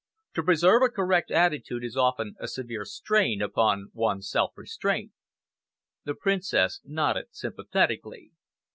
To preserve a correct attitude is often a severe strain upon one's self restraint." The Princess nodded sympathetically.